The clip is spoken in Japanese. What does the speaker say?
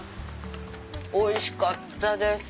おいしかったです！